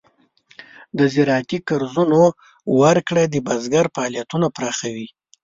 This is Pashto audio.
د زراعتي قرضو ورکړه د بزګر فعالیتونه پراخوي.